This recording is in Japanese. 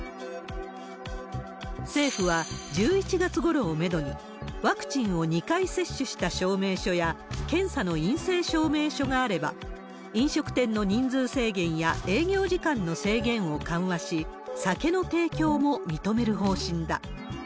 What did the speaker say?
政府は１１月ごろをメドに、ワクチンを２回接種した証明書や、検査の陰性証明書があれば、飲食店の人数制限や営業時間の制限を緩和し、酒の提供も認める方針だ。